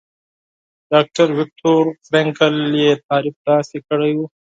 ډاکټر ويکټور فرېنکل يې تعريف داسې کړی وو.